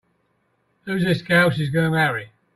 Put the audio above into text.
Who's this gal she's gonna marry?